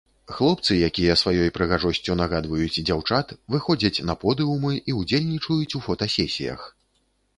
Хлопцы, якія сваёй прыгажосцю нагадваюць дзяўчат, выходзяць на подыумы і ўдзельнічаюць у фотасесіях.